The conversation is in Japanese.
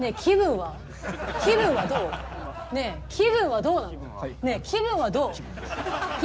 ねえ気分はどうなの？